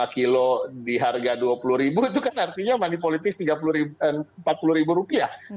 kilo di harga rp dua puluh itu kan artinya money politics rp empat puluh